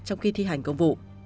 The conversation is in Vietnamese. trong khi thi hành công vụ